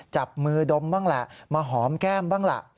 จับมือดมบ้างแหละมาหอมแก้มบ้างล่ะ